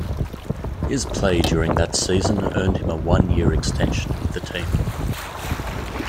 His play during that season earned him a one-year extension with the team.